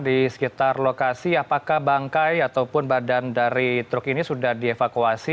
di sekitar lokasi apakah bangkai ataupun badan dari truk ini sudah dievakuasi